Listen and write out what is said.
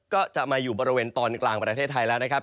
ก็จะมาอยู่บริเวณตอนกลางประเทศไทยแล้วนะครับ